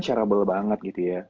shareable banget gitu ya